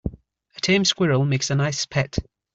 A tame squirrel makes a nice pet.